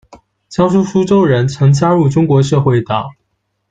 江苏苏州人，曾加入中国社会党。